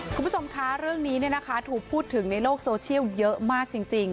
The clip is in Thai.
คุณผู้ชมคะเรื่องนี้ถูกพูดถึงในโลกโซเชียลเยอะมากจริง